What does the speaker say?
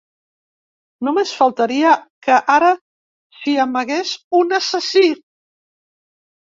Només faltaria que ara s'hi amagués un assassí!